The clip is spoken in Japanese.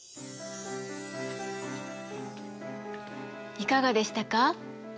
いかがでしたか？